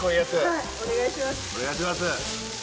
はいお願いします！